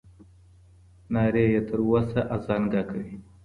نارې یې تر اوسه ازانګه کوي